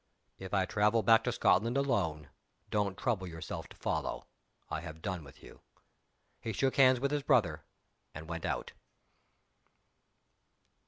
If I travel back to Scotland alone, don't trouble yourself to follow I have done with you." He shook hands with his brother, and went out.